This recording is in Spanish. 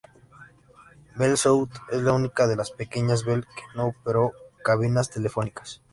BellSouth es la única de las "Pequeñas Bell" que no operó cabinas telefónicas.